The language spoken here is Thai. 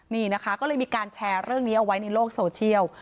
นี่นะคะก็เลยมีการแชร์เรื่องนี้เอาไว้ในโลกโซเชียล